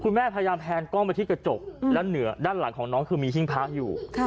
คุณแม่พยายามแพงกล้องมาทิ้งกระจกด้านเหนือด้านหลังของน้องคือมีชิ้นพักอยู่